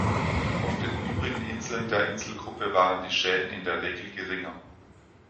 Auf den übrigen Inseln der Inselgruppe waren die Schäden in der Regel geringer.